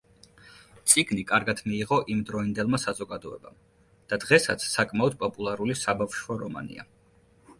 წიგნი კარგად მიიღო იმ დროინდელმა საზოგადოებამ და დღესაც საკმაოდ პოპულარული საბავშვო რომანია.